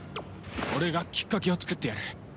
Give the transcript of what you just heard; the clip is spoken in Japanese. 俺がきっかけを作ってやる。